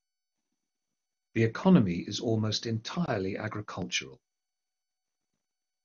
The economy is almost entirely agricultural.